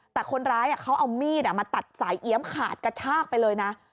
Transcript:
แต่คนร้ายเขาเอามีดมาตัดสายเอี๊ยมขาดกระชากไปเลยนะ